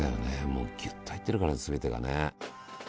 もうギュッと入ってるから全てがね。